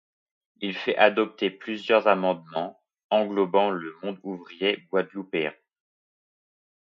Il fait adopter plusieurs amendements englobant le monde ouvrier guadeloupéen.